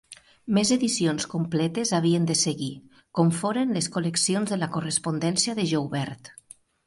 Més edicions completes havien de seguir, com foren les col·leccions de la correspondència de Joubert.